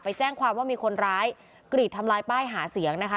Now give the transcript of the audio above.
แจ้งความว่ามีคนร้ายกรีดทำลายป้ายหาเสียงนะคะ